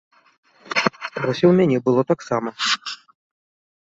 Вось і ў мяне было таксама.